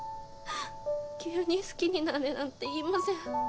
急に好きになれなんて言いません